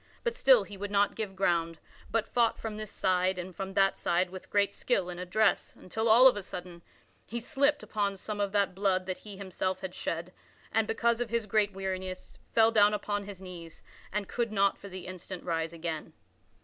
But still he would not give ground, but fought from this side and from that side with great skill and address until of a sudden, he slipped upon some of that blood that he himself had shed, and because of his great weariness, fell down upon his knees, and could not for the instant rise again.